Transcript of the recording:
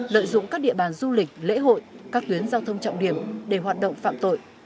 lợi dụng các địa bàn du lịch lễ hội các tuyến giao thông trọng điểm để hoạt động phạm tội